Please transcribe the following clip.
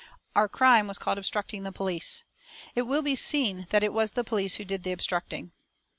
Our crime was called obstructing the police. It will be seen that it was the police who did the obstructing.